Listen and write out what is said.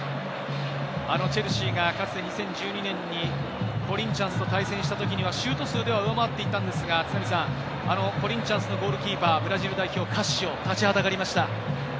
あのチェルシーがかつて２０１２年にコリンチャンスと対戦した時にはシュート数では上回っていたんですが、コリンチャンスのゴールキーパー、ブラジル代表のカッシオが立ちはだかりました。